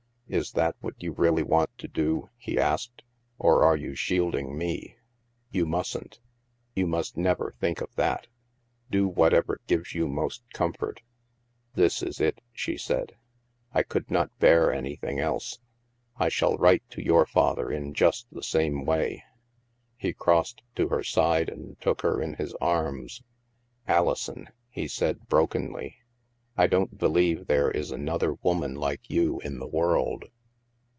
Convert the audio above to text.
" Is that what you really want to do," he asked, " or are you shielding me ? You mustn't. You must never think of that. Do whatever gives you most comfort." " This is it," she said. " I could not bear any thing else. I shall write to your father in just the same way." He crossed to her side and took her in his arms. " Alison," he said brokenly, '* I don't believe there is another woman like you in the world."